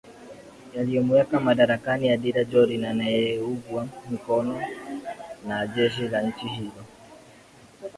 yaliomweka madarakani adira jorin anayeugwa mkono na jeshi la nchi hiyo